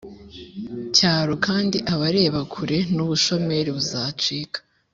cyaro. kandi abareba kure n’ubushomeri buzacika.